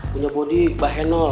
punya bodi bahenol